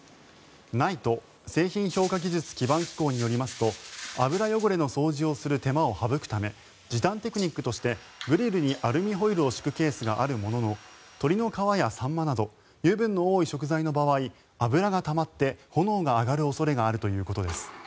ＮＩＴＥ・製品評価技術基盤機構によりますと油汚れの掃除をする手間を省くため、時短テクニックとしてグリルにアルミホイルを敷くケースがあるものの鶏の皮やサンマなど油分の多い食材の場合油がたまって炎が上がる恐れがあるということです。